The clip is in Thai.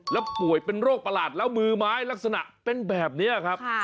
แล้วป่วยเป็นโรคประหลาดแล้วมือไม้ลักษณะเป็นแบบนี้ครับ